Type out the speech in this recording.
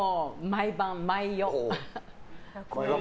毎晩、毎夜。